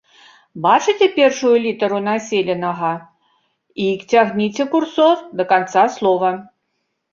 Бачыце першую літару населенага і цягніце курсор да канца слова.